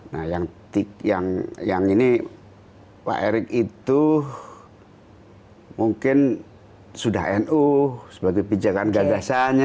nah yang ini pak erick itu mungkin sudah nu sebagai pijakan gagasannya